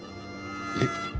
えっ？